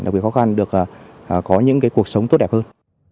đặc biệt khó khăn được có những cuộc sống tốt đẹp hơn